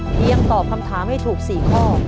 เพียงตอบคำถามให้ถูก๔ข้อ